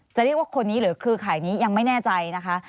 จะเรียกว่าคนนี้หรือเครือข่ายนี้ยังไม่แน่ใจนะคะ